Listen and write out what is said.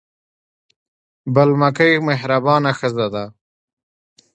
بل مکۍ مهربانه ښځه ده.